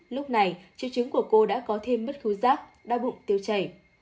lúc này triệu chứng của cô đã có thêm mất khứ giác đau bụng tiêu chảy